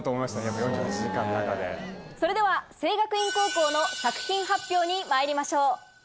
それでは聖学院高校の作品発表にまいりましょう。